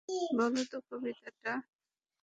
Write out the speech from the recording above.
বল তো কবিতাটা!